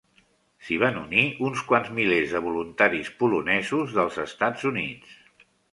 S'hi van unir uns quants milers de voluntaris polonesos dels Estats Units.